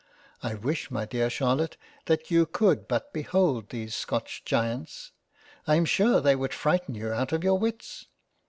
I wish my dear Charlotte that you could but behold these Scotch giants ; I am sure they would frighten you out of your wits.